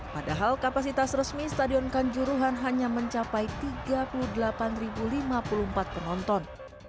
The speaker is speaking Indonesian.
padahal kapasitas resmi stadion kanjuruhan hanya mencapai tiga puluh delapan lima puluh empat penonton